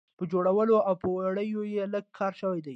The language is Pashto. په جوړولو او په وړیو یې لږ کار شوی دی.